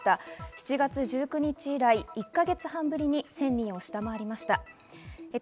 ７月１９日以来、１か月半ぶりに１０００人を下回りました。